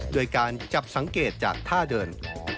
โดยการจับสังเกตจากท่าเดิน